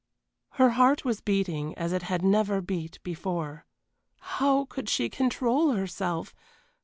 Her heart was beating as it had never beat before. How could she control herself!